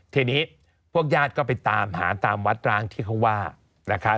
ทีนี้พวกญาติก็ไปตามหาตามวัดร้างที่เขาว่านะคะ